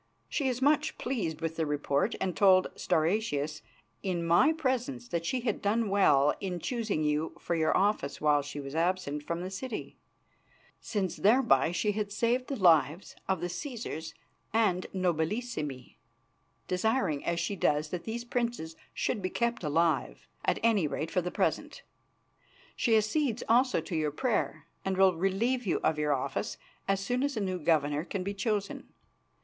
She is much pleased with the report, and told Stauracius in my presence that she had done well in choosing you for your office while she was absent from the city, since thereby she had saved the lives of the Cæsars and Nobilissimi, desiring as she does that these princes should be kept alive, at any rate for the present. She accedes also to your prayer, and will relieve you of your office as soon as a new governor can be chosen.